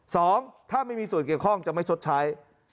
สองถ้าไม่มีส่วนเกี่ยวข้องจะไม่ชดใช้